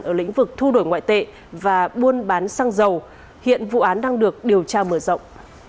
ở lĩnh vực thu đổi ngoại tệ và buôn bán xăng dầu hiện vụ án đang được điều tra mở rộng